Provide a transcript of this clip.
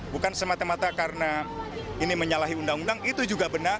bukan semata mata karena ini menyalahi undang undang itu juga benar